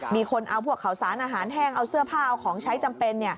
มีคนเอาพวกข่าวสารอาหารแห้งเอาเสื้อผ้าเอาของใช้จำเป็น